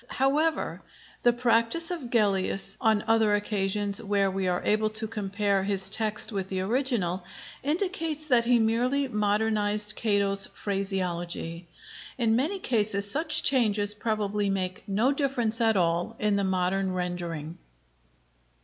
However, the practice of Gellius on other occasions where we are able to compare his text with the original, indicates that he merely modernized Cato's phraseology. In many cases such changes probably make no difference at all in the modern rendering.